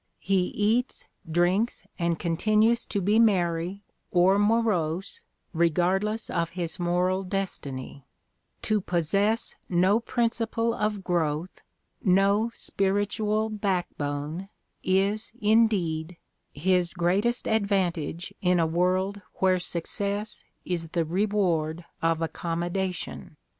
He eats, drinks and continues to be merry or morose regardless of his moral destiny: to possess no principle of growth, no spiritual backbone is, indeed, his greatest advantage in a world where success is the reward of accommodation.